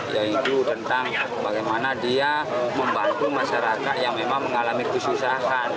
yaitu tentang bagaimana dia membantu masyarakat yang memang mengalami kesusahan